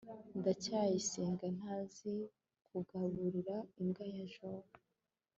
ndacyayisenga ntazi kugaburira imbwa ya jabo